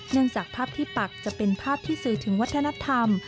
จากภาพที่ปักจะเป็นภาพที่สื่อถึงวัฒนธรรม